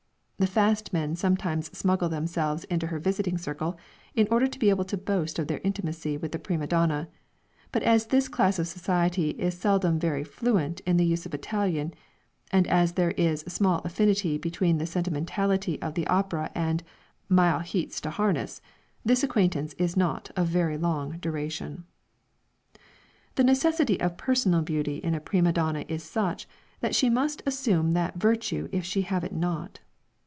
The fast men sometimes smuggle themselves into her visiting circle, in order to be able to boast of their intimacy with the prima donna; but as this class of society is seldom very fluent in the use of Italian, and as there is small affinity between the sentimentality of the opera and "mile heats to harness," this acquaintance is not of very long duration. The necessity of personal beauty in a prima donna is such, that she must "assume that virtue if she have it not."